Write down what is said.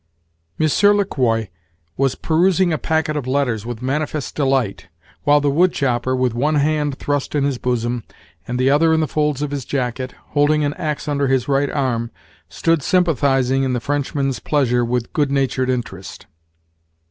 Monsieur Le Quoi was perusing a packet of letters with manifest delight, while the wood chopper, with one hand thrust in his bosom, and the other in the folds of his jacket, holding an axe under his right arm, stood sympathizing in the Frenchman's pleasure with good natured interest.